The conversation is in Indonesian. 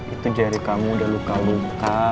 itu jari kamu udah luka luka